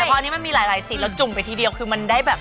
แต่พออันนี้มันมีหลายสีแล้วจุ่มไปทีเดียวคือมันได้แบบ